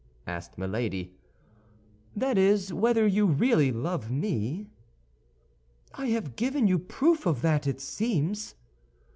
asked Milady. "That is, whether you really love me?" "I have given you proof of that, it seems to me."